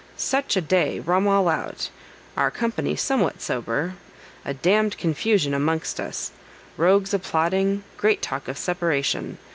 "Such a day, rum all out; our company somewhat sober; a d d confusion amongst us! rogues a plotting; great talk of separation.